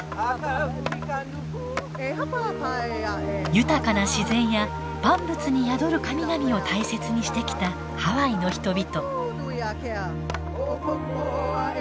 豊かな自然や万物に宿る神々を大切にしてきたハワイの人々。